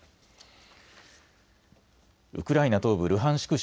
ウクライナ東部ルハンシク